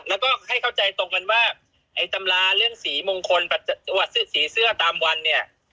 แล้วก็ให้เข้าใจตรงกันว่าไอ้ตำราเรื่องสีมงคลสีเสื้อตามวันเนี่ย